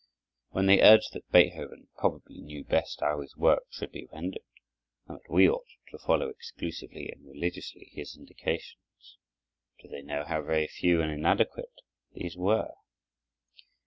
When they urge that Beethoven probably knew best how his works should be rendered and that we ought to follow exclusively and religiously his indications, do they know how very few and inadequate these were?